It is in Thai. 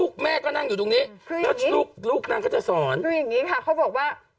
คะแบบนี้ค่ะเขาบอกว่า